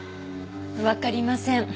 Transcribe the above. わかりません。